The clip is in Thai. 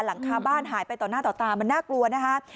หลังคาบ้านหายไปต่อหน้าต่อตามันน่ากลัวนะคะ